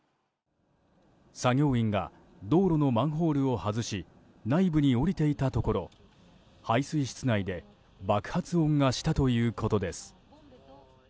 作業員が道路のマンホールを外し内部に下りていたところ排水室内で爆発音がしたということです。